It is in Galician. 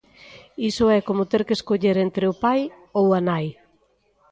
Iso e como ter que escoller entre o pai ou a nai.